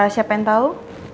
siapa yang tahu